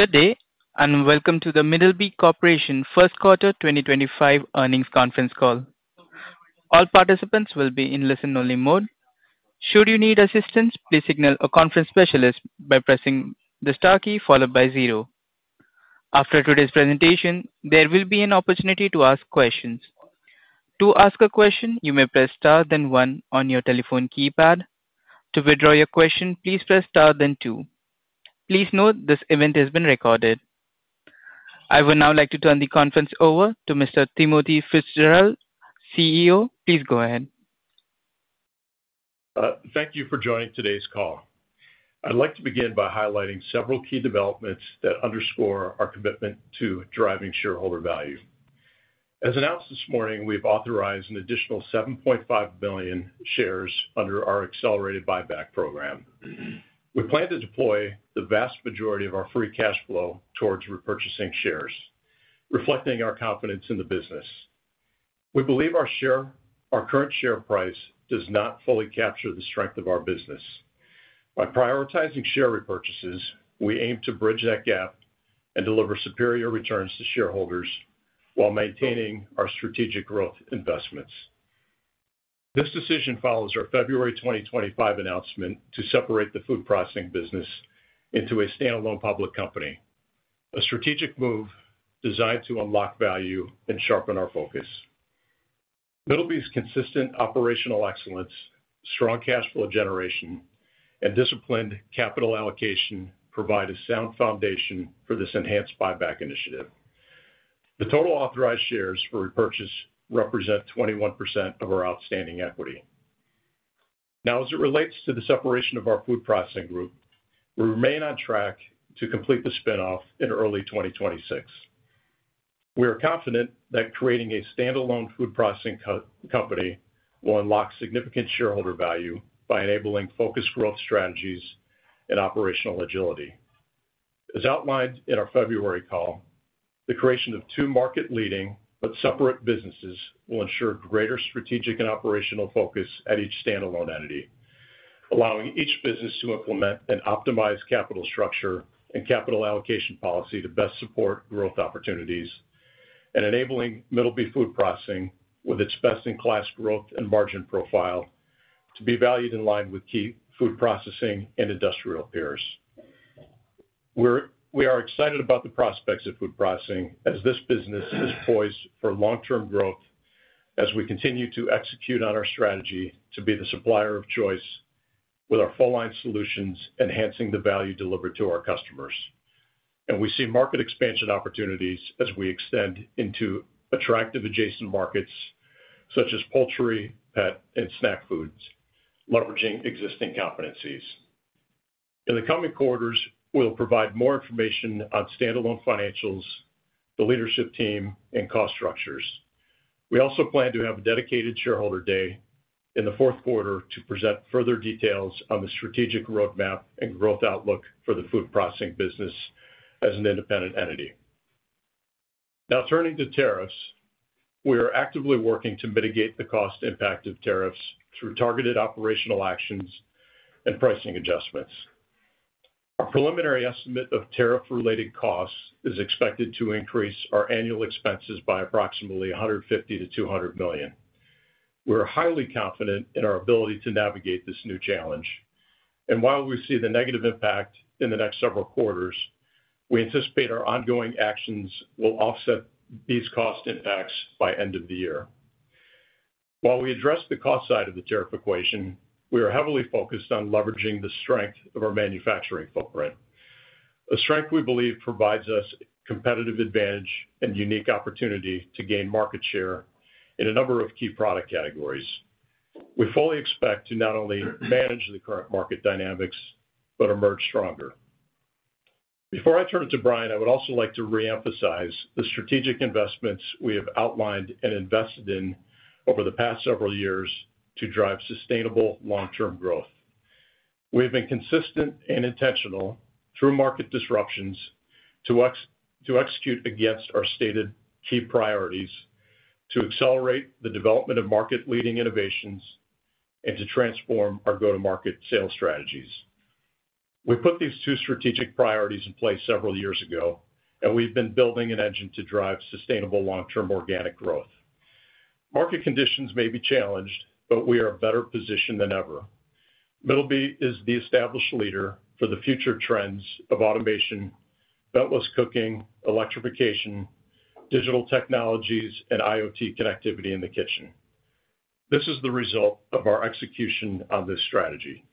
Good day, and welcome to the Middleby Corporation First Quarter 2025 Earnings Conference Call. All participants will be in listen-only mode. Should you need assistance, please signal a conference specialist by pressing the star key followed by zero. After today's presentation, there will be an opportunity to ask questions. To ask a question, you may press star then one on your telephone keypad. To withdraw your question, please press star then two. Please note this event has been recorded. I would now like to turn the conference over to Mr. Timothy Fitzgerald, CEO. Please go ahead. Thank you for joining today's call. I'd like to begin by highlighting several key developments that underscore our commitment to driving shareholder value. As announced this morning, we've authorized an additional 7.5 million shares under our accelerated buyback program. We plan to deploy the vast majority of our free cash flow towards repurchasing shares, reflecting our confidence in the business. We believe our current share price does not fully capture the strength of our business. By prioritizing share repurchases, we aim to bridge that gap and deliver superior returns to shareholders while maintaining our strategic growth investments. This decision follows our February 2025 announcement to separate the food processing business into a standalone public company, a strategic move designed to unlock value and sharpen our focus. Middleby's consistent operational excellence, strong cash flow generation, and disciplined capital allocation provide a sound foundation for this enhanced buyback initiative. The total authorized shares for repurchase represent 21% of our outstanding equity. Now, as it relates to the separation of our food processing group, we remain on track to complete the spinoff in early 2026. We are confident that creating a standalone food processing company will unlock significant shareholder value by enabling focused growth strategies and operational agility. As outlined in our February call, the creation of two market-leading but separate businesses will ensure greater strategic and operational focus at each standalone entity, allowing each business to implement an optimized capital structure and capital allocation policy to best support growth opportunities, and enabling Middleby Food Processing, with its best-in-class growth and margin profile, to be valued in line with key food processing and industrial peers. We are excited about the prospects of food processing as this business is poised for long-term growth as we continue to execute on our strategy to be the supplier of choice with our full-line solutions enhancing the value delivered to our customers. We see market expansion opportunities as we extend into attractive adjacent markets such as poultry, pet, and snack foods, leveraging existing competencies. In the coming quarters, we'll provide more information on standalone financials, the leadership team, and cost structures. We also plan to have a dedicated shareholder day in the fourth quarter to present further details on the strategic roadmap and growth outlook for the food processing business as an independent entity. Now, turning to tariffs, we are actively working to mitigate the cost impact of tariffs through targeted operational actions and pricing adjustments. Our preliminary estimate of tariff-related costs is expected to increase our annual expenses by approximately $150 million-$200 million. We are highly confident in our ability to navigate this new challenge. While we see the negative impact in the next several quarters, we anticipate our ongoing actions will offset these cost impacts by the end of the year. While we address the cost side of the tariff equation, we are heavily focused on leveraging the strength of our manufacturing footprint, a strength we believe provides us a competitive advantage and unique opportunity to gain market share in a number of key product categories. We fully expect to not only manage the current market dynamics but emerge stronger. Before I turn it to Bryan, I would also like to re-emphasize the strategic investments we have outlined and invested in over the past several years to drive sustainable long-term growth. We have been consistent and intentional through market disruptions to execute against our stated key priorities to accelerate the development of market-leading innovations and to transform our go-to-market sales strategies. We put these two strategic priorities in place several years ago, and we've been building an engine to drive sustainable long-term organic growth. Market conditions may be challenged, but we are in a better position than ever. Middleby is the established leader for the future trends of automation, ventless cooking, electrification, digital technologies, and IoT connectivity in the kitchen. This is the result of our execution on this strategy.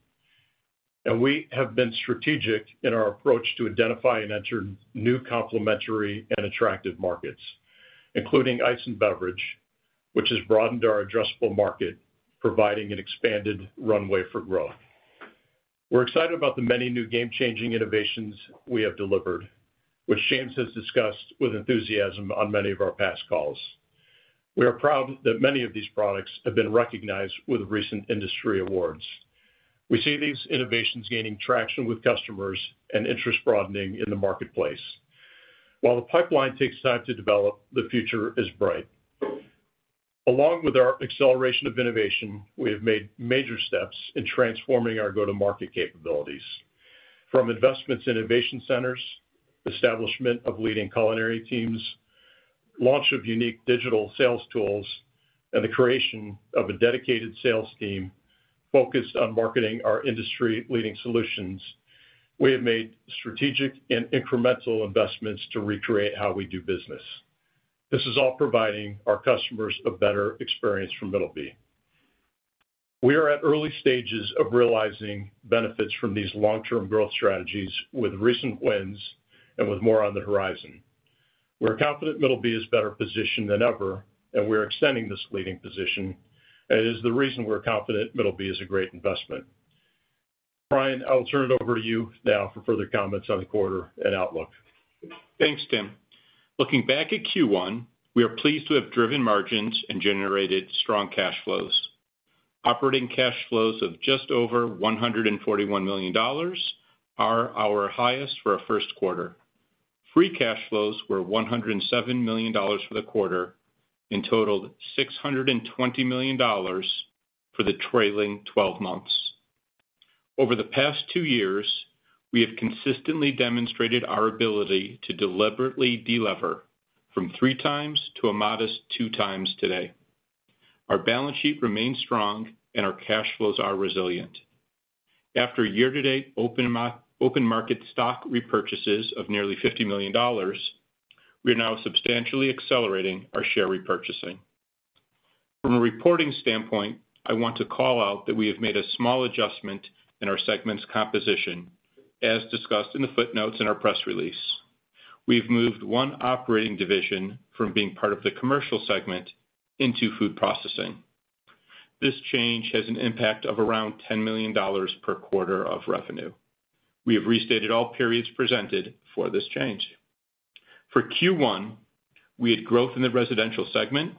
We have been strategic in our approach to identify and enter new complementary and attractive markets, including ice and beverage, which has broadened our addressable market, providing an expanded runway for growth. We're excited about the many new game-changing innovations we have delivered, which James has discussed with enthusiasm on many of our past calls. We are proud that many of these products have been recognized with recent industry awards. We see these innovations gaining traction with customers and interest broadening in the marketplace. While the pipeline takes time to develop, the future is bright. Along with our acceleration of innovation, we have made major steps in transforming our go-to-market capabilities, from investments in innovation centers, the establishment of leading culinary teams, the launch of unique digital sales tools, and the creation of a dedicated sales team focused on marketing our industry-leading solutions. We have made strategic and incremental investments to recreate how we do business. This is all providing our customers a better experience from Middleby. We are at early stages of realizing benefits from these long-term growth strategies with recent wins and with more on the horizon. We're confident Middleby is better positioned than ever, and we are extending this leading position. It is the reason we're confident Middleby is a great investment. Bryan, I'll turn it over to you now for further comments on the quarter and outlook. Thanks, Tim. Looking back at Q1, we are pleased to have driven margins and generated strong cash flows. Operating cash flows of just over $141 million are our highest for our first quarter. Free cash flows were $107 million for the quarter and totaled $620 million for the trailing 12 months. Over the past two years, we have consistently demonstrated our ability to deliberately deliver from three times to a modest two times today. Our balance sheet remains strong, and our cash flows are resilient. After year-to-date open market stock repurchases of nearly $50 million, we are now substantially accelerating our share repurchasing. From a reporting standpoint, I want to call out that we have made a small adjustment in our segment's composition, as discussed in the footnotes in our press release. We have moved one operating division from being part of the commercial segment into food processing. This change has an impact of around $10 million per quarter of revenue. We have restated all periods presented for this change. For Q1, we had growth in the residential segment,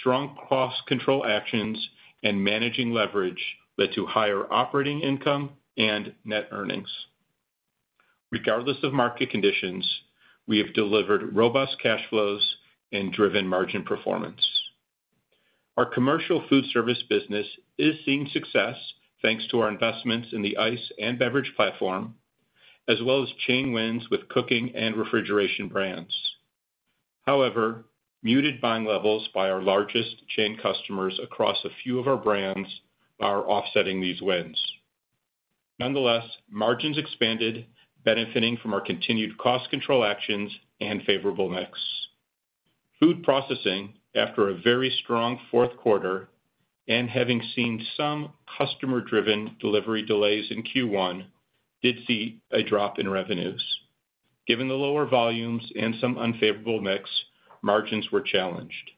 strong cost control actions, and managing leverage led to higher operating income and net earnings. Regardless of market conditions, we have delivered robust cash flows and driven margin performance. Our commercial food service business is seeing success thanks to our investments in the ice and beverage platform, as well as chain wins with cooking and refrigeration brands. However, muted buying levels by our largest chain customers across a few of our brands are offsetting these wins. Nonetheless, margins expanded, benefiting from our continued cost control actions and favorable mix. Food processing, after a very strong fourth quarter and having seen some customer-driven delivery delays in Q1, did see a drop in revenues. Given the lower volumes and some unfavorable mix, margins were challenged.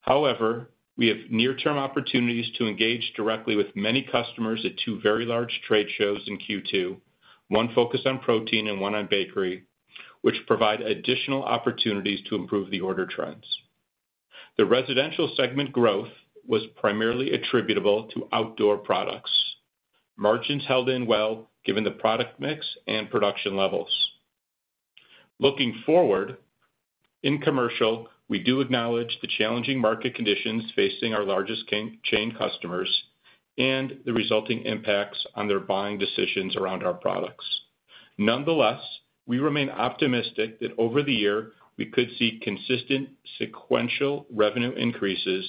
However, we have near-term opportunities to engage directly with many customers at two very large trade shows in Q2, one focused on protein and one on bakery, which provide additional opportunities to improve the order trends. The residential segment growth was primarily attributable to outdoor products. Margins held in well given the product mix and production levels. Looking forward in commercial, we do acknowledge the challenging market conditions facing our largest chain customers and the resulting impacts on their buying decisions around our products. Nonetheless, we remain optimistic that over the year, we could see consistent sequential revenue increases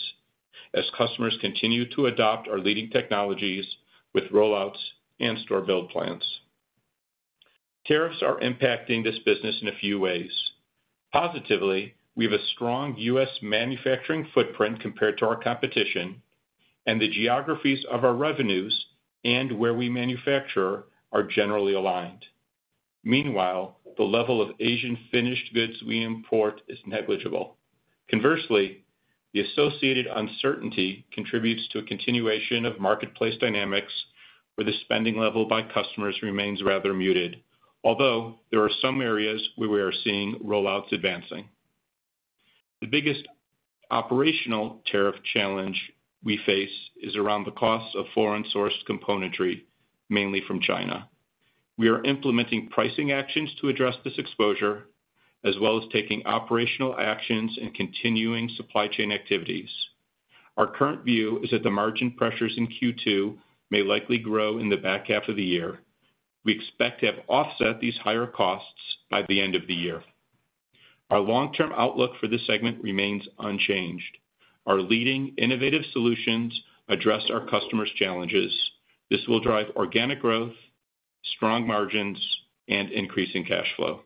as customers continue to adopt our leading technologies with rollouts and store-build plans. Tariffs are impacting this business in a few ways. Positively, we have a strong U.S. Manufacturing footprint compared to our competition, and the geographies of our revenues and where we manufacture are generally aligned. Meanwhile, the level of Asian finished goods we import is negligible. Conversely, the associated uncertainty contributes to a continuation of marketplace dynamics where the spending level by customers remains rather muted, although there are some areas where we are seeing rollouts advancing. The biggest operational tariff challenge we face is around the cost of foreign-sourced componentry, mainly from China. We are implementing pricing actions to address this exposure, as well as taking operational actions and continuing supply chain activities. Our current view is that the margin pressures in Q2 may likely grow in the back half of the year. We expect to have offset these higher costs by the end of the year. Our long-term outlook for this segment remains unchanged. Our leading innovative solutions address our customers' challenges. This will drive organic growth, strong margins, and increasing cash flow.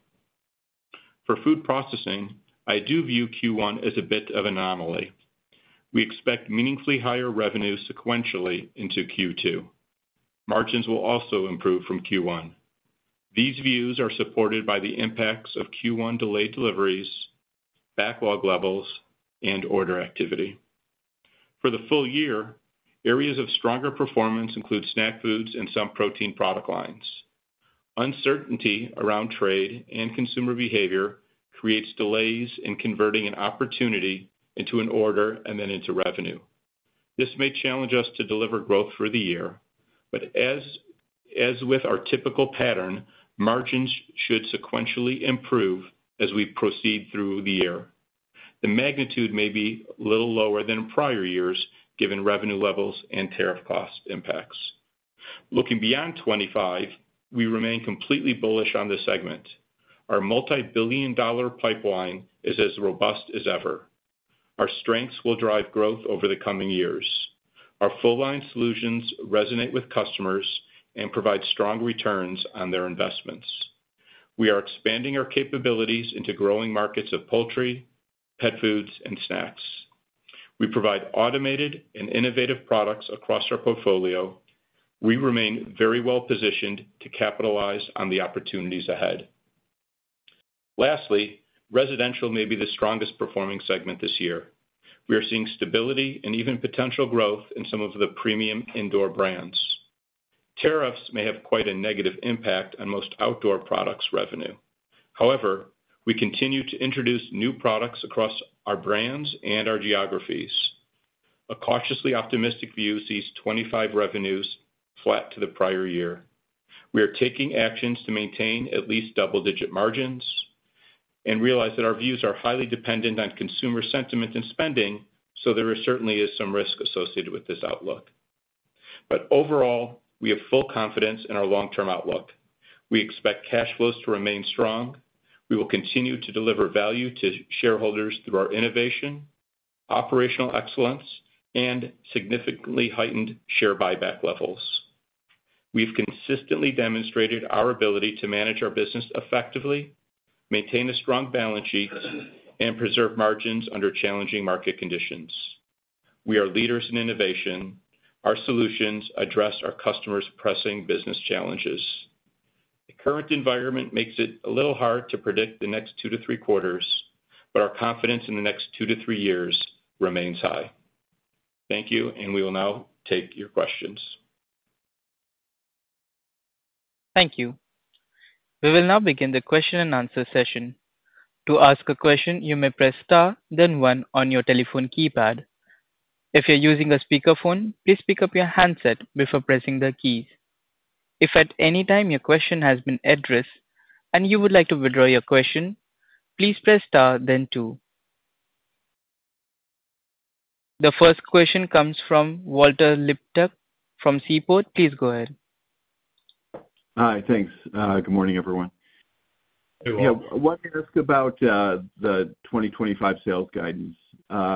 For food processing, I do view Q1 as a bit of an anomaly. We expect meaningfully higher revenue sequentially into Q2. Margins will also improve from Q1. These views are supported by the impacts of Q1 delayed deliveries, backlog levels, and order activity. For the full year, areas of stronger performance include snack foods and some protein product lines. Uncertainty around trade and consumer behavior creates delays in converting an opportunity into an order and then into revenue. This may challenge us to deliver growth for the year, but as with our typical pattern, margins should sequentially improve as we proceed through the year. The magnitude may be a little lower than prior years given revenue levels and tariff cost impacts. Looking beyond 2025, we remain completely bullish on this segment. Our multi-billion dollar pipeline is as robust as ever. Our strengths will drive growth over the coming years. Our full-line solutions resonate with customers and provide strong returns on their investments. We are expanding our capabilities into growing markets of poultry, pet foods, and snacks. We provide automated and innovative products across our portfolio. We remain very well positioned to capitalize on the opportunities ahead. Lastly, residential may be the strongest performing segment this year. We are seeing stability and even potential growth in some of the premium indoor brands. Tariffs may have quite a negative impact on most outdoor products' revenue. However, we continue to introduce new products across our brands and our geographies. A cautiously optimistic view sees 2025 revenues flat to the prior year. We are taking actions to maintain at least double-digit margins and realize that our views are highly dependent on consumer sentiment and spending, so there certainly is some risk associated with this outlook. Overall, we have full confidence in our long-term outlook. We expect cash flows to remain strong. We will continue to deliver value to shareholders through our innovation, operational excellence, and significantly heightened share buyback levels. We've consistently demonstrated our ability to manage our business effectively, maintain a strong balance sheet, and preserve margins under challenging market conditions. We are leaders in innovation. Our solutions address our customers' pressing business challenges. The current environment makes it a little hard to predict the next two to three quarters, but our confidence in the next two to three years remains high. Thank you, and we will now take your questions. Thank you. We will now begin the question and answer session. To ask a question, you may press Star, then 1 on your telephone keypad. If you're using a speakerphone, please pick up your handset before pressing the keys. If at any time your question has been addressed and you would like to withdraw your question, please press Star, then 2. The first question comes from Walter Liptak from Seaport. Please go ahead. Hi, thanks. Good morning, everyone. Hey, Walter. Yeah, I wanted to ask about the 2025 sales guidance.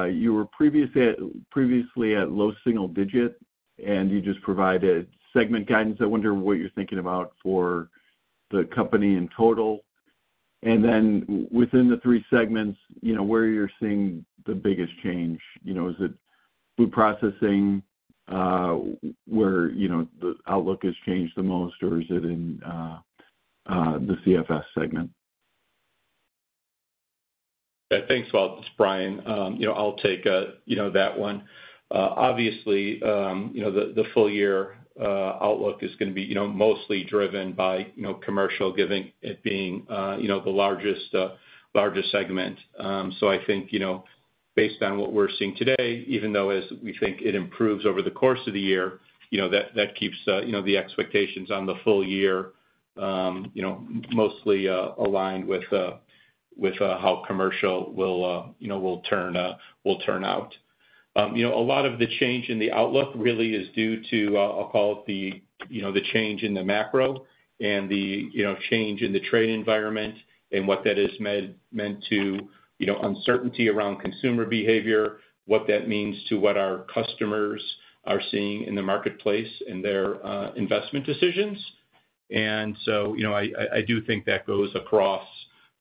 You were previously at low single digit, and you just provided segment guidance. I wonder what you're thinking about for the company in total. And then within the three segments, where are you seeing the biggest change? Is it food processing, where the outlook has changed the most, or is it in the CFS segment? Thanks, Walter. It's Bryan. I'll take that one. Obviously, the full-year outlook is going to be mostly driven by commercial, given it being the largest segment. I think based on what we're seeing today, even though, as we think, it improves over the course of the year, that keeps the expectations on the full year mostly aligned with how commercial will turn out. A lot of the change in the outlook really is due to, I'll call it, the change in the macro and the change in the trade environment and what that has meant to uncertainty around consumer behavior, what that means to what our customers are seeing in the marketplace and their investment decisions. I do think that goes across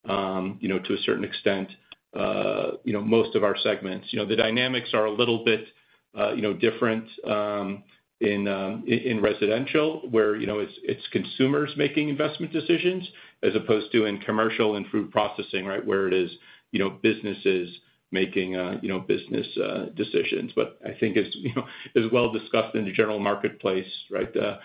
to a certain extent most of our segments. The dynamics are a little bit different in residential, where it's consumers making investment decisions, as opposed to in commercial and food processing, right, where it is businesses making business decisions. I think, as well discussed in the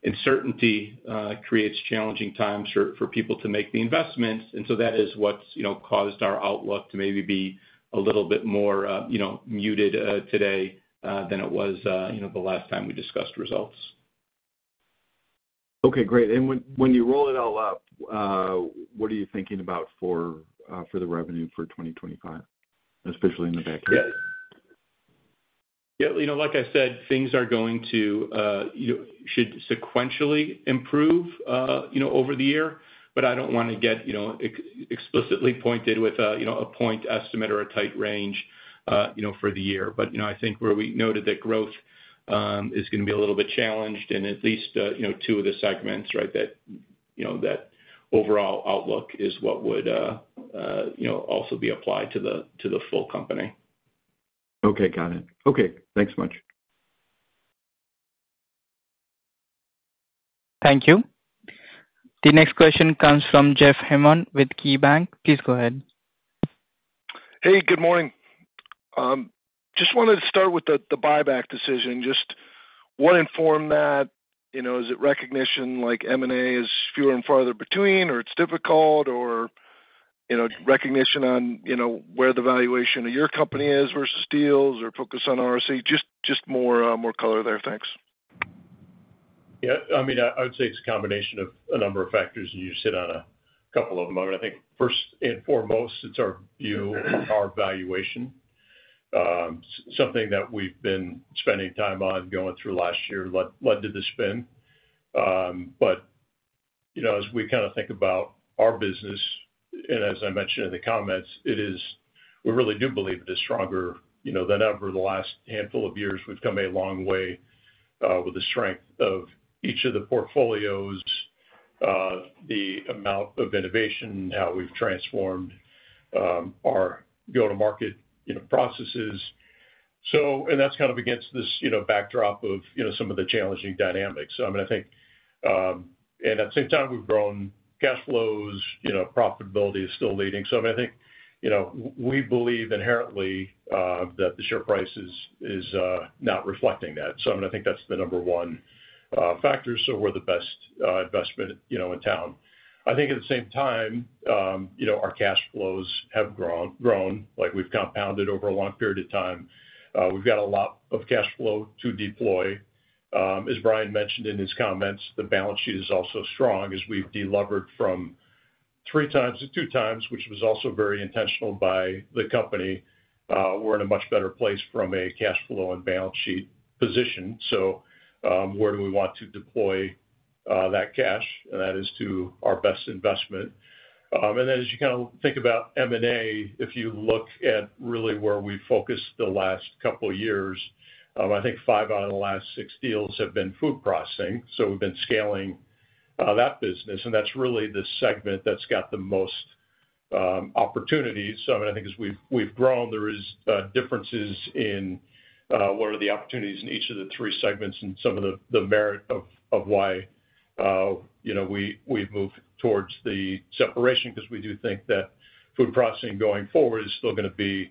general marketplace, uncertainty creates challenging times for people to make the investments. That is what's caused our outlook to maybe be a little bit more muted today than it was the last time we discussed results. Okay, great. When you roll it all up, what are you thinking about for the revenue for 2025, especially in the back end? Yeah. Yeah, like I said, things are going to should sequentially improve over the year, but I do not want to get explicitly pointed with a point estimate or a tight range for the year. I think where we noted that growth is going to be a little bit challenged in at least two of the segments, right, that overall outlook is what would also be applied to the full company. Okay, got it. Okay, thanks so much. Thank you. The next question comes from Jeff Hammond with KeyBanc. Please go ahead. Hey, good morning. Just wanted to start with the buyback decision. Just what informed that? Is it recognition like M&A is fewer and farther between, or it's difficult, or recognition on where the valuation of your company is versus deals, or focus on RSE? Just more color there. Thanks. Yeah, I mean, I would say it's a combination of a number of factors, and you just hit on a couple of them. I think first and foremost, it's our view of our valuation. Something that we've been spending time on going through last year led to the spin. As we kind of think about our business, and as I mentioned in the comments, we really do believe it is stronger than ever. The last handful of years, we've come a long way with the strength of each of the portfolios, the amount of innovation, how we've transformed our go-to-market processes. That's kind of against this backdrop of some of the challenging dynamics. I mean, I think, and at the same time, we've grown cash flows. Profitability is still leading. I mean, I think we believe inherently that the share price is not reflecting that. I mean, I think that's the number one factor. We're the best investment in town. I think at the same time, our cash flows have grown. We've compounded over a long period of time. We've got a lot of cash flow to deploy. As Bryan mentioned in his comments, the balance sheet is also strong as we've delevered from three times to two times, which was also very intentional by the company. We're in a much better place from a cash flow and balance sheet position. Where do we want to deploy that cash? That is to our best investment. As you kind of think about M&A, if you look at really where we've focused the last couple of years, I think five out of the last six deals have been food processing. We've been scaling that business. That's really the segment that's got the most opportunities. I mean, I think as we've grown, there are differences in what are the opportunities in each of the three segments and some of the merit of why we've moved towards the separation because we do think that food processing going forward is still going to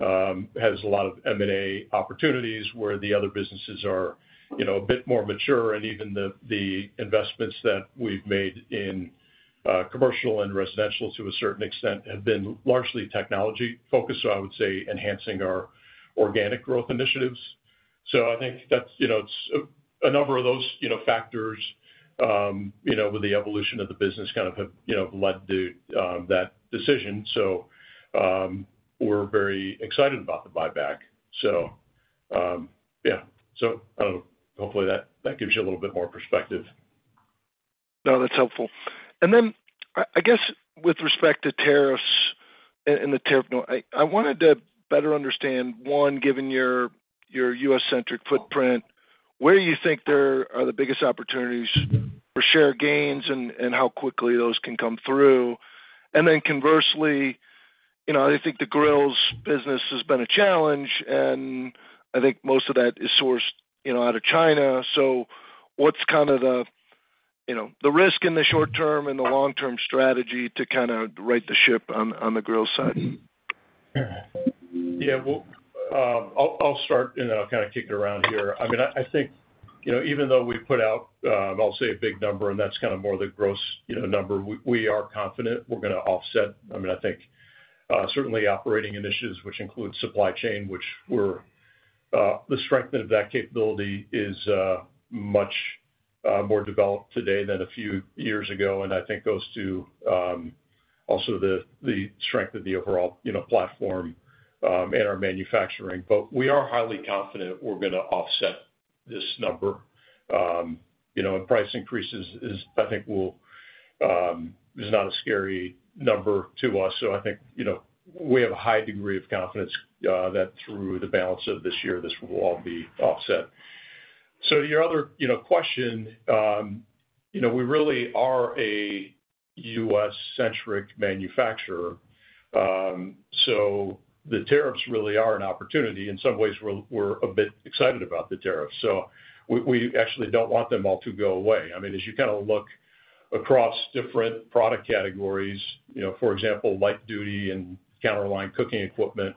have a lot of M&A opportunities where the other businesses are a bit more mature. Even the investments that we've made in commercial and residential to a certain extent have been largely technology-focused. I would say enhancing our organic growth initiatives. I think a number of those factors with the evolution of the business kind of have led to that decision. We're very excited about the buyback. Yeah. I don't know. Hopefully, that gives you a little bit more perspective. No, that's helpful. I guess with respect to tariffs and the tariff note, I wanted to better understand, one, given your U.S.-centric footprint, where do you think there are the biggest opportunities for share gains and how quickly those can come through? Conversely, I think the grills business has been a challenge, and I think most of that is sourced out of China. What's kind of the risk in the short term and the long-term strategy to kind of right the ship on the grill side? Yeah, I'll start, and I'll kind of kick it around here. I mean, I think even though we put out, I'll say, a big number, and that's kind of more the gross number, we are confident we're going to offset. I mean, I think certainly operating initiatives, which include supply chain, where the strengthening of that capability is much more developed today than a few years ago. I think it goes to also the strength of the overall platform and our manufacturing. We are highly confident we're going to offset this number. Price increases, I think, is not a scary number to us. I think we have a high degree of confidence that through the balance of this year, this will all be offset. To your other question, we really are a U.S.-centric manufacturer. The tariffs really are an opportunity. In some ways, we're a bit excited about the tariffs. We actually don't want them all to go away. I mean, as you kind of look across different product categories, for example, light duty and counterline cooking equipment,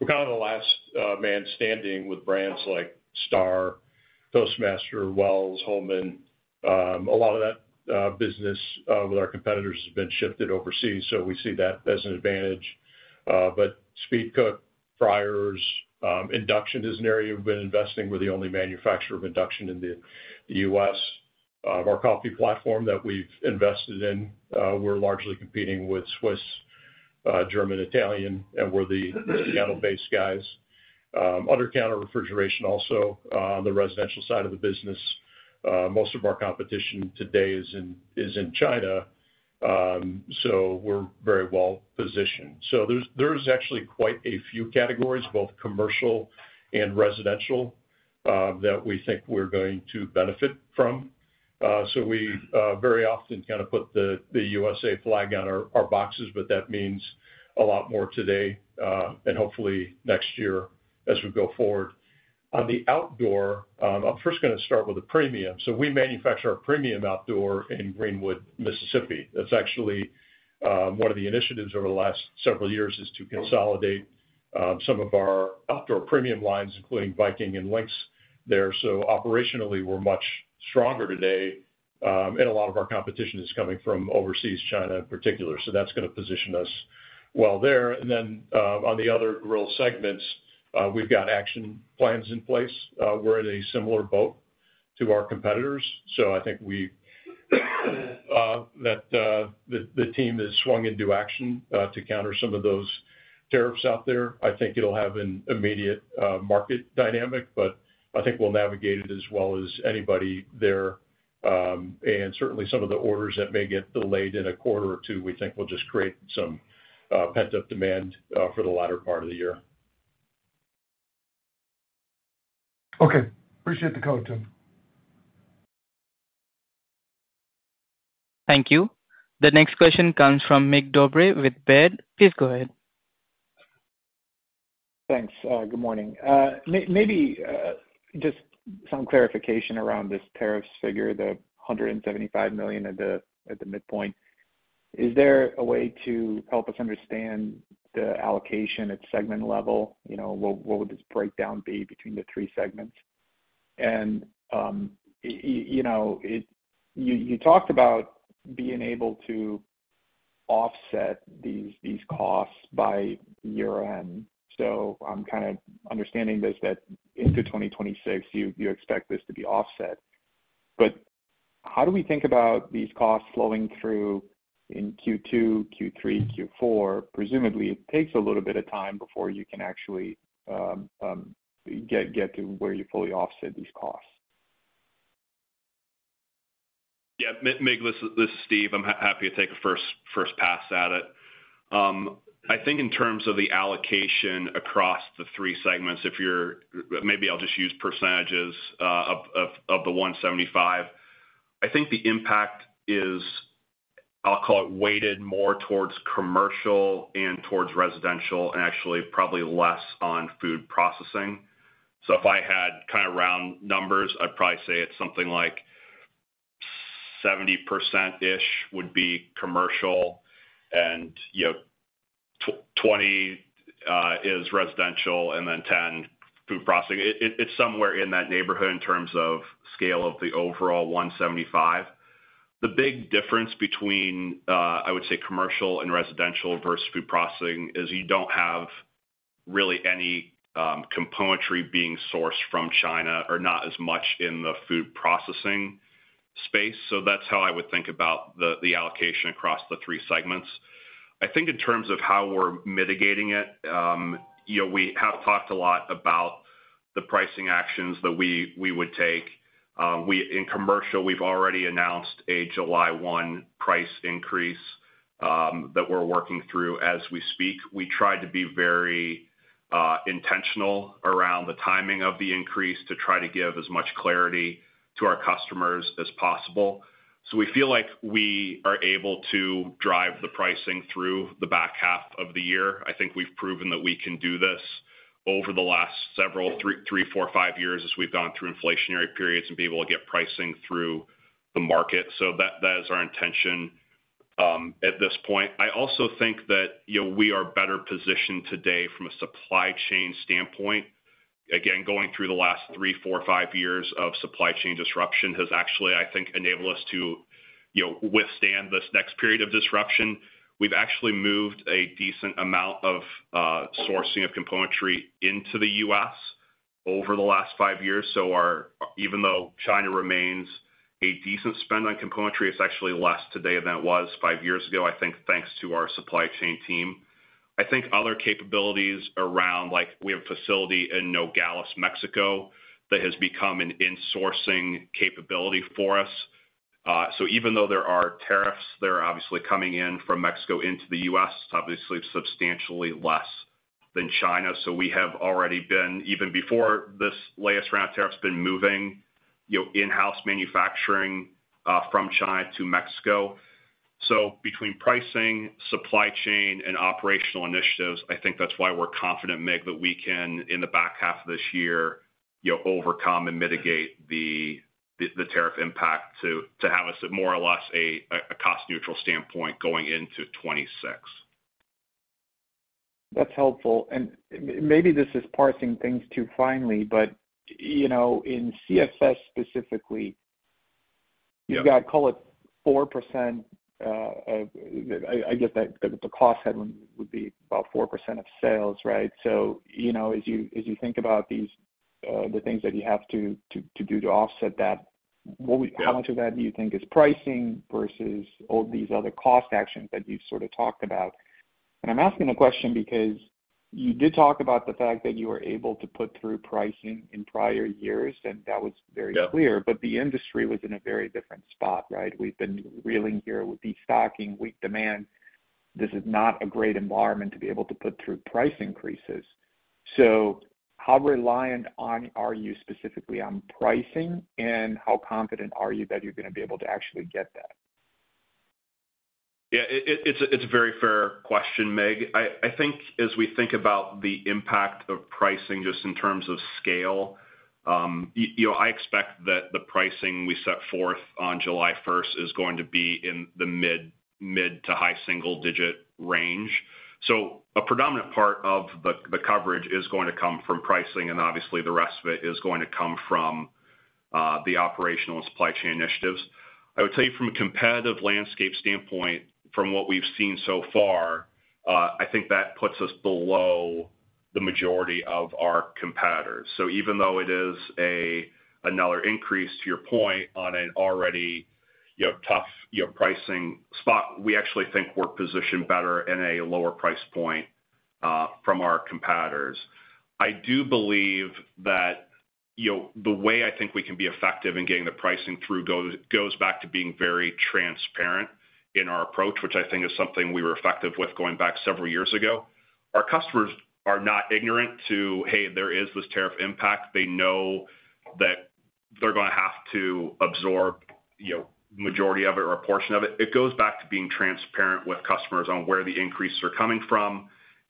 we're kind of the last man standing with brands like Star, Toastmaster, Wells, Holman. A lot of that business with our competitors has been shifted overseas. We see that as an advantage. Speedcook, Friars, induction is an area we've been investing. We're the only manufacturer of induction in the U.S. Our coffee platform that we've invested in, we're largely competing with Swiss, German, Italian, and we're the Chicago-based guys. Under counter refrigeration also on the residential side of the business. Most of our competition today is in China. We're very well positioned. There are actually quite a few categories, both commercial and residential, that we think we are going to benefit from. We very often kind of put the U.S.A. flag on our boxes, but that means a lot more today and hopefully next year as we go forward. On the outdoor, I am first going to start with the premium. We manufacture our premium outdoor in Greenwood, Mississippi. That is actually one of the initiatives over the last several years to consolidate some of our outdoor premium lines, including Viking and Lynx there. Operationally, we are much stronger today, and a lot of our competition is coming from overseas, China in particular. That is going to position us well there. On the other grill segments, we have got action plans in place. We are in a similar boat to our competitors. I think that the team has swung into action to counter some of those tariffs out there. I think it'll have an immediate market dynamic, but I think we'll navigate it as well as anybody there. Certainly, some of the orders that may get delayed in a quarter or two, we think will just create some pent-up demand for the latter part of the year. Okay. Appreciate the call, Tim. Thank you. The next question comes from Mig Dobre with Baird. Please go ahead. Thanks. Good morning. Maybe just some clarification around this tariffs figure, the $175 million at the midpoint. Is there a way to help us understand the allocation at segment level? What would this breakdown be between the three segments? You talked about being able to offset these costs by year-end. I am kind of understanding this that into 2026, you expect this to be offset. How do we think about these costs flowing through in Q2, Q3, Q4? Presumably, it takes a little bit of time before you can actually get to where you fully offset these costs. Yeah. Mig, this is Steve. I'm happy to take a first pass at it. I think in terms of the allocation across the three segments, if you're, maybe I'll just use percentages of the 175. I think the impact is, I'll call it, weighted more towards commercial and towards residential, and actually probably less on food processing. If I had kind of round numbers, I'd probably say it's something like 70%-ish would be commercial, and 20% is residential, and then 10% food processing. It's somewhere in that neighborhood in terms of scale of the overall 175. The big difference between, I would say, commercial and residential versus food processing is you don't have really any componentry being sourced from China or not as much in the food processing space. That's how I would think about the allocation across the three segments. I think in terms of how we're mitigating it, we have talked a lot about the pricing actions that we would take. In commercial, we've already announced a July 1 price increase that we're working through as we speak. We tried to be very intentional around the timing of the increase to try to give as much clarity to our customers as possible. We feel like we are able to drive the pricing through the back half of the year. I think we've proven that we can do this over the last several three, four, five years as we've gone through inflationary periods and be able to get pricing through the market. That is our intention at this point. I also think that we are better positioned today from a supply chain standpoint. Again, going through the last three, four, five years of supply chain disruption has actually, I think, enabled us to withstand this next period of disruption. We've actually moved a decent amount of sourcing of componentry into the U.S. over the last five years. Even though China remains a decent spend on componentry, it's actually less today than it was five years ago, I think, thanks to our supply chain team. I think other capabilities around, like we have a facility in Nogales, Mexico, that has become an insourcing capability for us. Even though there are tariffs that are obviously coming in from Mexico into the U.S., it's obviously substantially less than China. We have already been, even before this latest round of tariffs, moving in-house manufacturing from China to Mexico. Between pricing, supply chain, and operational initiatives, I think that's why we're confident, Mikk, that we can, in the back half of this year, overcome and mitigate the tariff impact to have us at more or less a cost-neutral standpoint going into 2026. That's helpful. Maybe this is parsing things too finely, but in CFS specifically, you've got to call it 4%. I guess the cost headwind would be about 4% of sales, right? As you think about the things that you have to do to offset that, how much of that do you think is pricing versus all these other cost actions that you've sort of talked about? I'm asking the question because you did talk about the fact that you were able to put through pricing in prior years, and that was very clear. The industry was in a very different spot, right? We've been reeling here with de-stocking, weak demand. This is not a great environment to be able to put through price increases. How reliant are you specifically on pricing, and how confident are you that you're going to be able to actually get that? Yeah. It's a very fair question, Mikk. I think as we think about the impact of pricing just in terms of scale, I expect that the pricing we set forth on July 1 is going to be in the mid to high single-digit range. A predominant part of the coverage is going to come from pricing, and obviously, the rest of it is going to come from the operational and supply chain initiatives. I would tell you from a competitive landscape standpoint, from what we've seen so far, I think that puts us below the majority of our competitors. Even though it is another increase, to your point, on an already tough pricing spot, we actually think we're positioned better at a lower price point from our competitors. I do believe that the way I think we can be effective in getting the pricing through goes back to being very transparent in our approach, which I think is something we were effective with going back several years ago. Our customers are not ignorant to, "Hey, there is this tariff impact." They know that they're going to have to absorb the majority of it or a portion of it. It goes back to being transparent with customers on where the increases are coming from.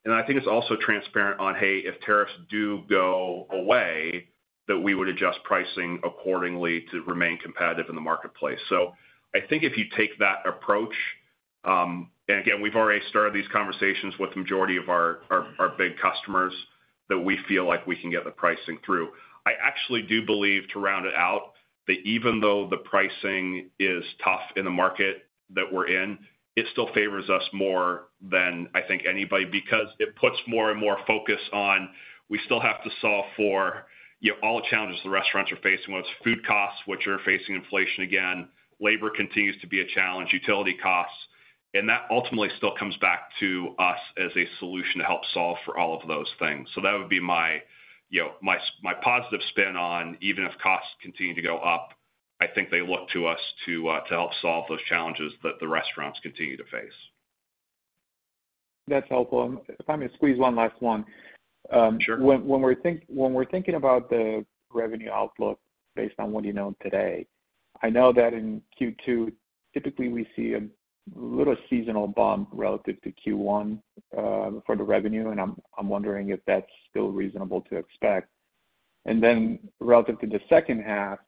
I think it's also transparent on, "Hey, if tariffs do go away, that we would adjust pricing accordingly to remain competitive in the marketplace." I think if you take that approach, and again, we've already started these conversations with the majority of our big customers that we feel like we can get the pricing through. I actually do believe, to round it out, that even though the pricing is tough in the market that we're in, it still favors us more than I think anybody because it puts more and more focus on we still have to solve for all the challenges the restaurants are facing, whether it's food costs, which are facing inflation again, labor continues to be a challenge, utility costs. That ultimately still comes back to us as a solution to help solve for all of those things. That would be my positive spin on, even if costs continue to go up, I think they look to us to help solve those challenges that the restaurants continue to face. That's helpful. If I may squeeze one last one. Sure. When we're thinking about the revenue outlook based on what you know today, I know that in Q2, typically, we see a little seasonal bump relative to Q1 for the revenue, and I'm wondering if that's still reasonable to expect. Relative to the second half,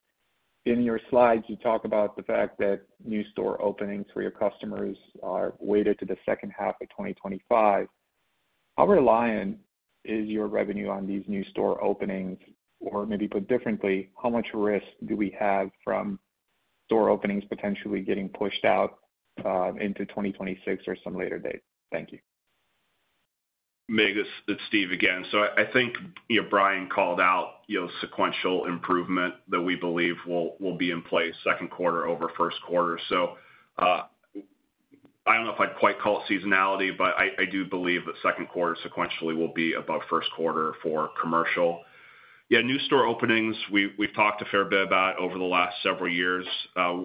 in your slides, you talk about the fact that new store openings for your customers are weighted to the second half of 2025. How reliant is your revenue on these new store openings? Or maybe put differently, how much risk do we have from store openings potentially getting pushed out into 2026 or some later date? Thank you. Mig, this is Steve again. I think Brian called out sequential improvement that we believe will be in place second quarter over first quarter. I do not know if I would quite call it seasonality, but I do believe that second quarter sequentially will be above first quarter for commercial. Yeah, new store openings, we have talked a fair bit about over the last several years.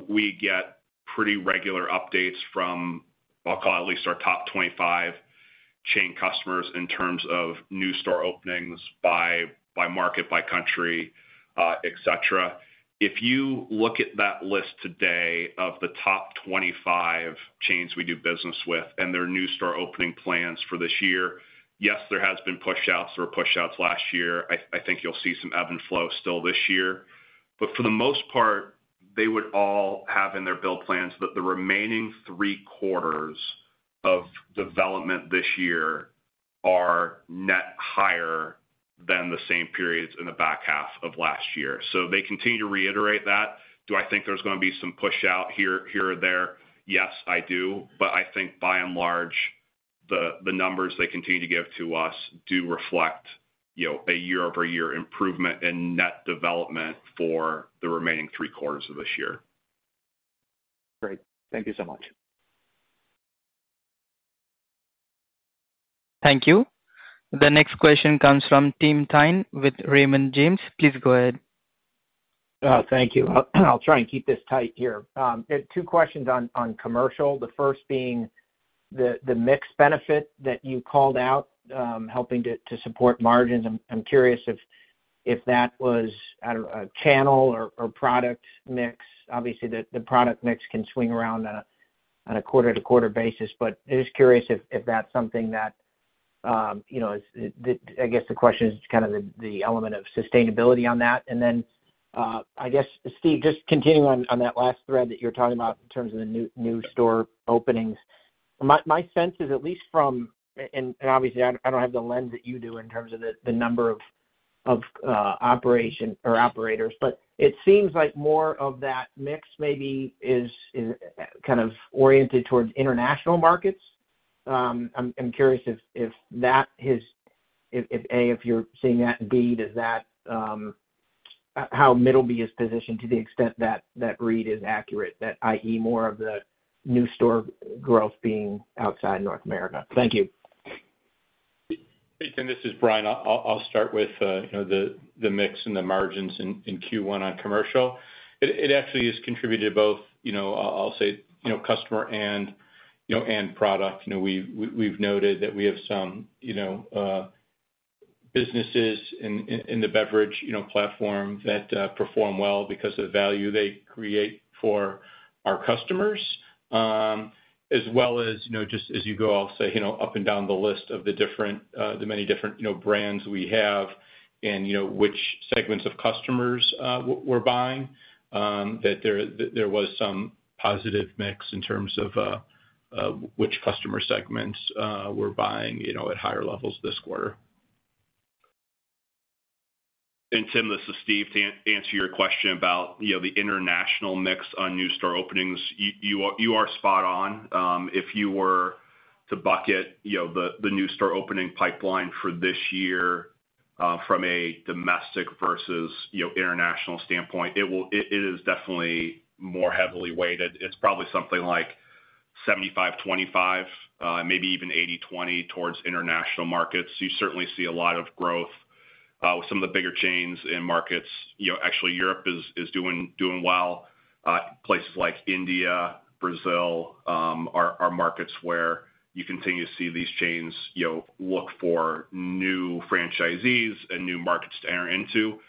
We get pretty regular updates from, I will call it at least our top 25 chain customers in terms of new store openings by market, by country, etc. If you look at that list today of the top 25 chains we do business with and their new store opening plans for this year, yes, there have been push-outs. There were push-outs last year. I think you will see some ebb and flow still this year. For the most part, they would all have in their bill plans that the remaining three quarters of development this year are net higher than the same periods in the back half of last year. They continue to reiterate that. Do I think there's going to be some push-out here or there? Yes, I do. I think by and large, the numbers they continue to give to us do reflect a year-over-year improvement in net development for the remaining three quarters of this year. Great. Thank you so much. Thank you. The next question comes from Tim Thein with Raymond James. Please go ahead. Thank you. I'll try and keep this tight here. Two questions on commercial, the first being the mix benefit that you called out helping to support margins. I'm curious if that was a channel or product mix. Obviously, the product mix can swing around on a quarter-to-quarter basis, but I'm just curious if that's something that, I guess the question is kind of the element of sustainability on that. And then I guess, Steve, just continuing on that last thread that you're talking about in terms of the new store openings, my sense is at least from, and obviously, I don't have the lens that you do in terms of the number of operators, but it seems like more of that mix maybe is kind of oriented towards international markets. I'm curious if that has, A, if you're seeing that, and B, how Middleby is positioned to the extent that read is accurate, that is, more of the new store growth being outside North America. Thank you. Hey, Tim, this is Brian. I'll start with the mix and the margins in Q1 on commercial. It actually has contributed both, I'll say, customer and product. We've noted that we have some businesses in the beverage platform that perform well because of the value they create for our customers, as well as just as you go, I'll say up and down the list of the many different brands we have and which segments of customers were buying, that there was some positive mix in terms of which customer segments were buying at higher levels this quarter. Tim, this is Steve to answer your question about the international mix on new store openings. You are spot on. If you were to bucket the new store opening pipeline for this year from a domestic versus international standpoint, it is definitely more heavily weighted. It's probably something like 75/25, maybe even 80/20 towards international markets. You certainly see a lot of growth with some of the bigger chains and markets. Actually, Europe is doing well. Places like India, Brazil are markets where you continue to see these chains look for new franchisees and new markets to enter into.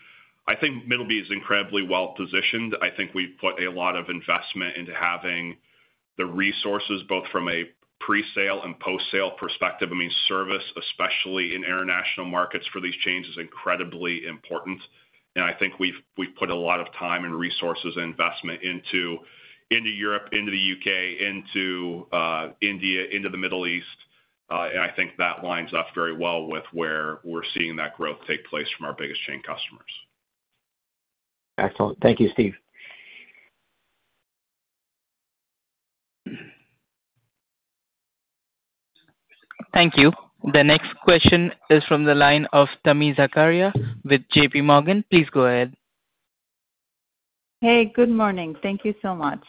I think Middleby is incredibly well positioned. I think we've put a lot of investment into having the resources both from a pre-sale and post-sale perspective. I mean, service, especially in international markets for these chains, is incredibly important. I think we've put a lot of time and resources and investment into Europe, into the U.K., into India, into the Middle East. I think that lines up very well with where we're seeing that growth take place from our biggest chain customers. Excellent. Thank you, Steve. Thank you. The next question is from the line of Tami Zakaria with J.P. Morgan. Please go ahead. Hey, good morning. Thank you so much.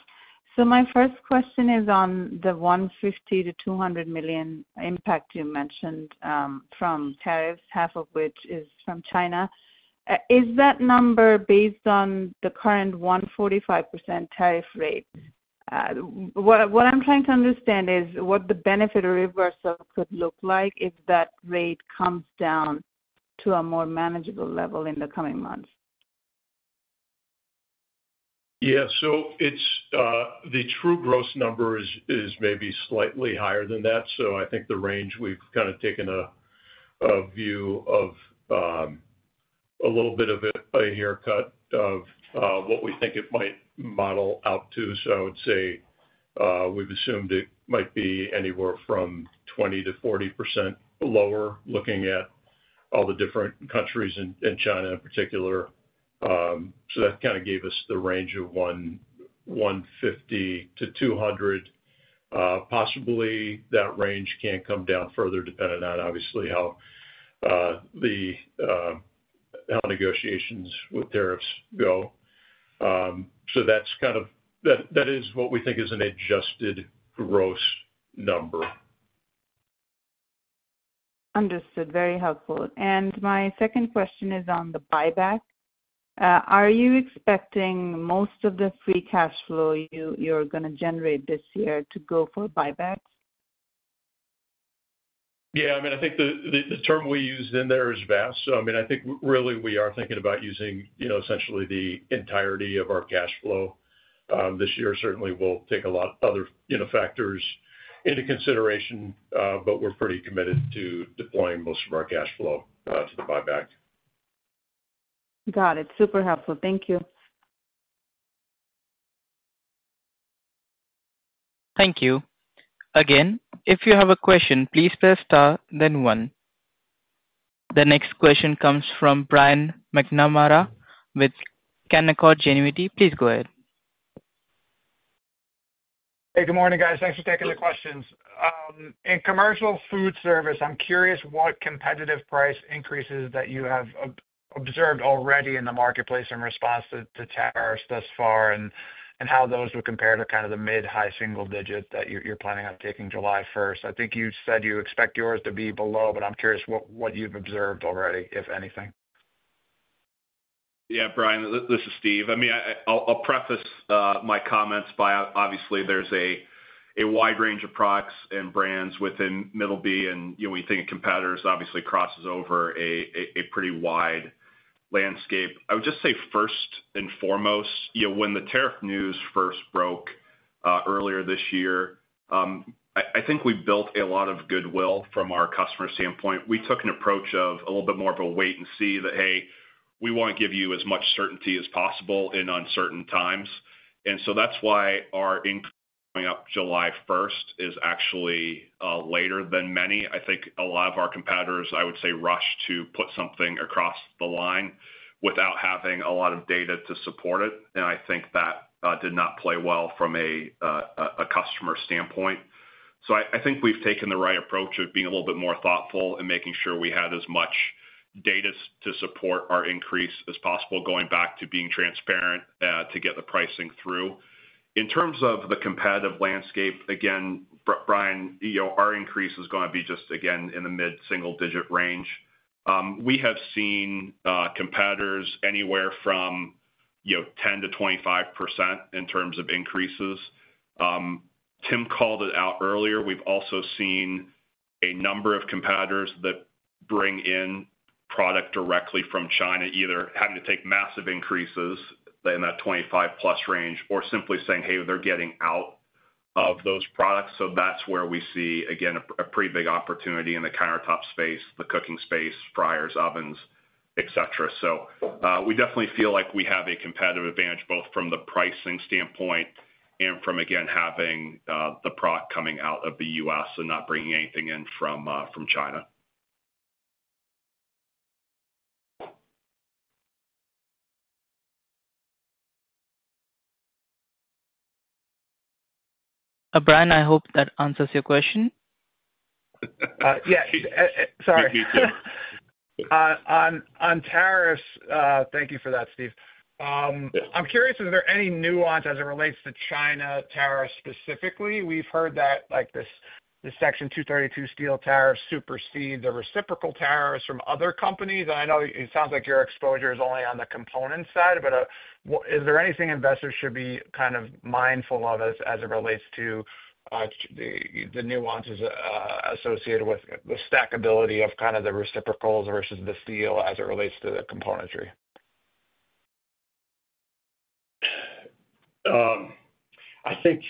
My first question is on the $150 million-$200 million impact you mentioned from tariffs, half of which is from China. Is that number based on the current 145% tariff rate? What I'm trying to understand is what the benefit or reversal could look like if that rate comes down to a more manageable level in the coming months. Yeah. So the true gross number is maybe slightly higher than that. I think the range we've kind of taken a view of a little bit of a haircut of what we think it might model out to. I would say we've assumed it might be anywhere from 20%-40% lower, looking at all the different countries and China in particular. That kind of gave us the range of $150 million-$200 million. Possibly that range can come down further depending on, obviously, how negotiations with tariffs go. That is what we think is an adjusted gross number. Understood. Very helpful. My second question is on the buyback. Are you expecting most of the free cash flow you're going to generate this year to go for buybacks? Yeah. I mean, I think the term we use in there is vast. I mean, I think really we are thinking about using essentially the entirety of our cash flow. This year certainly will take a lot of other factors into consideration, but we're pretty committed to deploying most of our cash flow to the buyback. Got it. Super helpful. Thank you. Thank you. Again, if you have a question, please press star, then one. The next question comes from Brian McNamara with Canaccord Genuity. Please go ahead. Hey, good morning, guys. Thanks for taking the questions. In commercial food service, I'm curious what competitive price increases that you have observed already in the marketplace in response to tariffs thus far and how those would compare to kind of the mid-high single digit that you're planning on taking July 1. I think you said you expect yours to be below, but I'm curious what you've observed already, if anything. Yeah, Brian, this is Steve. I mean, I'll preface my comments by, obviously, there's a wide range of products and brands within Middleby, and we think competitors obviously cross over a pretty wide landscape. I would just say first and foremost, when the tariff news first broke earlier this year, I think we built a lot of goodwill from our customer standpoint. We took an approach of a little bit more of a wait and see that, "Hey, we want to give you as much certainty as possible in uncertain times." That is why our income coming up July 1 is actually later than many. I think a lot of our competitors, I would say, rushed to put something across the line without having a lot of data to support it. I think that did not play well from a customer standpoint. I think we've taken the right approach of being a little bit more thoughtful and making sure we had as much data to support our increase as possible, going back to being transparent to get the pricing through. In terms of the competitive landscape, again, Brian, our increase is going to be just, again, in the mid-single-digit range. We have seen competitors anywhere from 10%-25% in terms of increases. Tim called it out earlier. We've also seen a number of competitors that bring in product directly from China, either having to take massive increases in that 25%+ range or simply saying, "Hey, they're getting out of those products." That's where we see, again, a pretty big opportunity in the countertop space, the cooking space, fryers, ovens, etc. We definitely feel like we have a competitive advantage both from the pricing standpoint and from, again, having the product coming out of the U.S. and not bringing anything in from China. Brian, I hope that answers your question. Yeah. Sorry. Thank you, Tim. On tariffs, thank you for that, Steve. I'm curious, is there any nuance as it relates to China tariffs specifically? We've heard that these Section 232 steel tariffs supersede the reciprocal tariffs from other countries. I know it sounds like your exposure is only on the component side, but is there anything investors should be kind of mindful of as it relates to the nuances associated with the stackability of the reciprocals versus the steel as it relates to the componentry? I think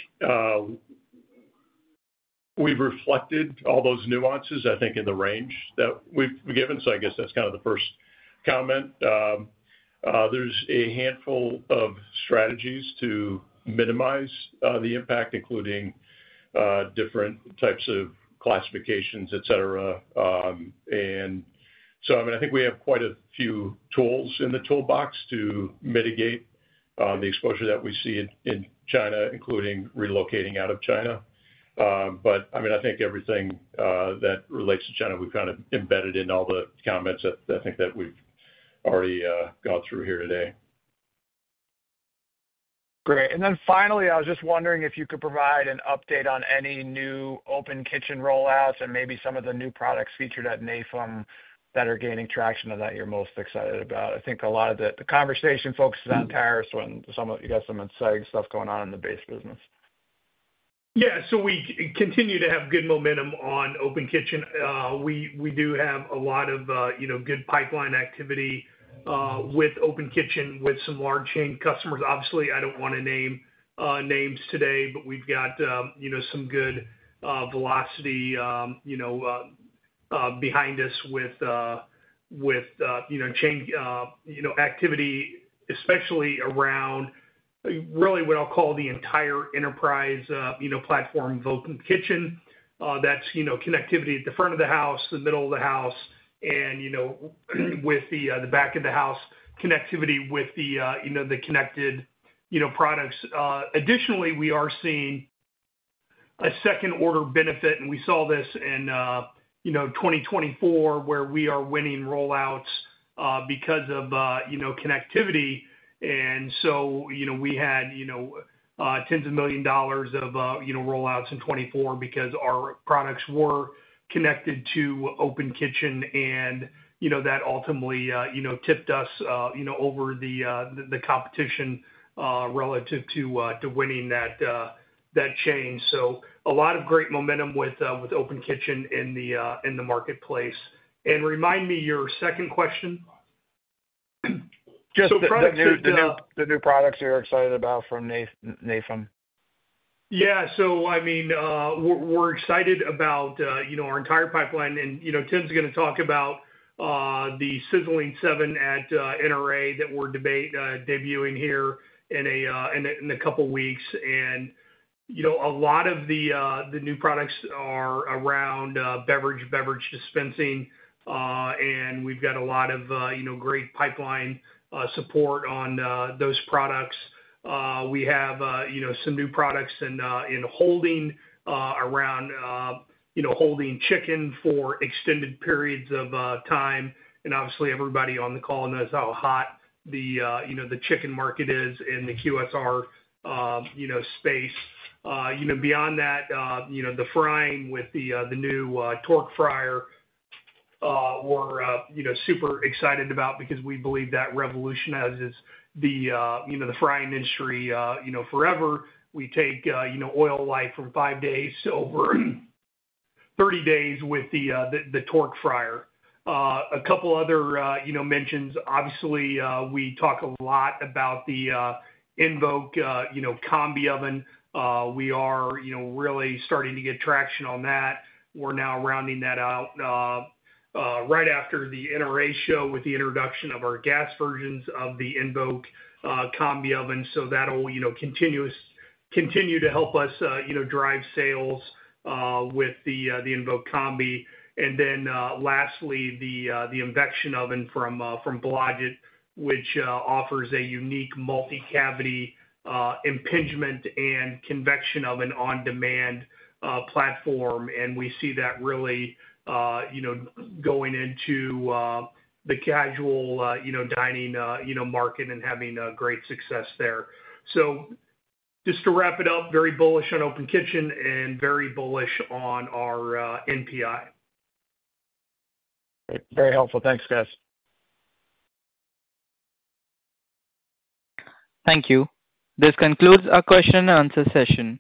we've reflected all those nuances, I think, in the range that we've given. I guess that's kind of the first comment. There's a handful of strategies to minimize the impact, including different types of classifications, etc. I mean, I think we have quite a few tools in the toolbox to mitigate the exposure that we see in China, including relocating out of China. I think everything that relates to China, we've kind of embedded in all the comments that I think that we've already gone through here today. Great. Finally, I was just wondering if you could provide an update on any new Open Kitchen rollouts and maybe some of the new products featured at the NAFEM that are gaining traction and that you're most excited about. I think a lot of the conversation focuses on tariffs when you got some inside stuff going on in the base business. Yeah. We continue to have good momentum on Open Kitchen. We do have a lot of good pipeline activity with Open Kitchen with some large chain customers. Obviously, I do not want to name names today, but we have some good velocity behind us with chain activity, especially around really what I will call the entire enterprise platform of Open Kitchen. That is connectivity at the front of the house, the middle of the house, and with the back of the house, connectivity with the connected products. Additionally, we are seeing a second-order benefit, and we saw this in 2024 where we are winning rollouts because of connectivity. We had tens of million dollars of rollouts in 2024 because our products were connected to Open Kitchen, and that ultimately tipped us over the competition relative to winning that chain. A lot of great momentum with Open Kitchen in the marketplace. Remind me your second question. Just the new products you're excited about from NAFEM. Yeah. I mean, we're excited about our entire pipeline. Tim's going to talk about the Sizzling 7 at NRA that we're debuting here in a couple of weeks. A lot of the new products are around beverage dispensing, and we've got a lot of great pipeline support on those products. We have some new products in holding around holding chicken for extended periods of time. Obviously, everybody on the call knows how hot the chicken market is in the QSR space. Beyond that, the frying with the new torque fryer, we're super excited about because we believe that revolutionizes the frying industry forever. We take oil life from five days over 30 days with the torque fryer. A couple of other mentions. Obviously, we talk a lot about the Invoke Combi Oven. We are really starting to get traction on that. We're now rounding that out right after the NRA show with the introduction of our gas versions of the Invoke Combi Oven. That will continue to help us drive sales with the Invoke Combi. Lastly, the Invection Oven from Blodgett, which offers a unique multi-cavity impingement and convection oven on-demand platform. We see that really going into the casual dining market and having great success there. Just to wrap it up, very bullish on Open Kitchen and very bullish on our NPI. Great. Very helpful. Thanks, guys. Thank you. This concludes our question-and-answer session.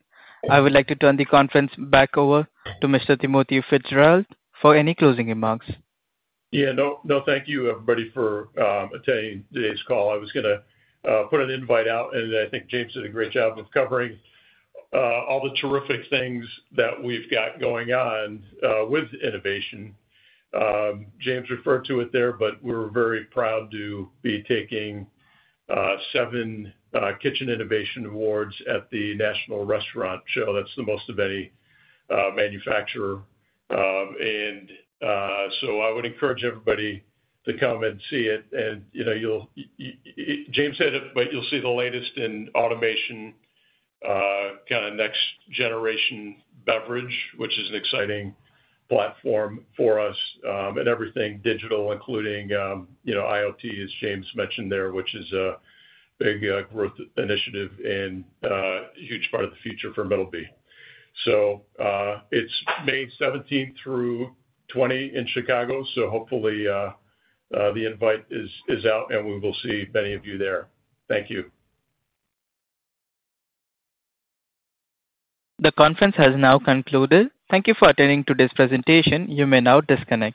I would like to turn the conference back over to Mr. Timothy Fitzgerald for any closing remarks. Yeah. No, thank you, everybody, for attending today's call. I was going to put an invite out, and I think James did a great job of covering all the terrific things that we've got going on with innovation. James referred to it there, but we're very proud to be taking seven Kitchen Innovation Awards at the National Restaurant Show. That's the most of any manufacturer. I would encourage everybody to come and see it. James said it, but you'll see the latest in automation, kind of next-generation beverage, which is an exciting platform for us and everything digital, including IoT, as James mentioned there, which is a big growth initiative and a huge part of the future for Middleby. It is May 17 through May 20 in Chicago. Hopefully the invite is out, and we will see many of you there. Thank you. The conference has now concluded. Thank you for attending today's presentation. You may now disconnect.